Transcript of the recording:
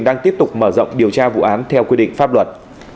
đang tiếp tục mở rộng điều tra vụ án theo quy định pháp luật